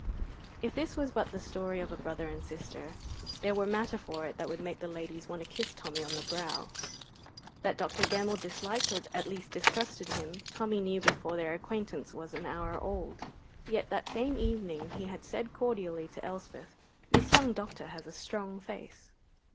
If this was but the story of a brother and sister, there were matter for it that would make the ladies want to kiss Tommy on the brow. That Dr. Gemmell disliked or at least distrusted him, Tommy knew before their acquaintance was an hour old; yet that same evening he had said cordially to Elspeth: "This young doctor has a strong face."